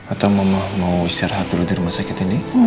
atau mau istirahat dulu di rumah sakit ini